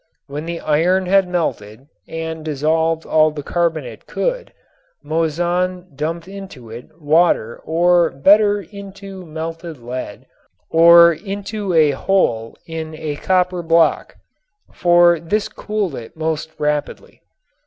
When the iron had melted and dissolved all the carbon it could, Moissan dumped it into water or better into melted lead or into a hole in a copper block, for this cooled it most rapidly.